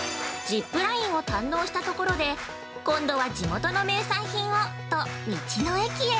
◆ジップラインを堪能したところで、今度は地元の名産品をと、道の駅へ。